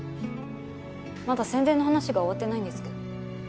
まだ宣伝の話が終わってないんですけど。